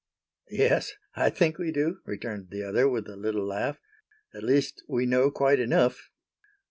"Yes, I think we do," returned the other, with a little laugh. "At least we know quite enough."